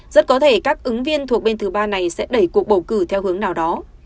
rất có thể các ứng viên thuộc bên thứ ba này sẽ đẩy cuộc bầu cử theo hướng nào đó